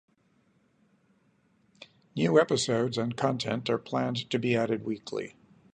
New episodes and content are planned to be added weekly.